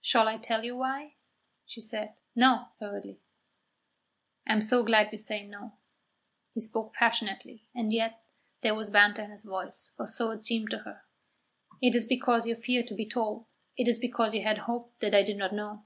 "Shall I tell you why?" She said "No," hurriedly. "I am so glad you say No." He spoke passionately, and yet there was banter in his voice, or so it seemed to her. "It is because you fear to be told; it is because you had hoped that I did not know."